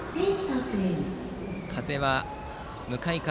風は、向かい風。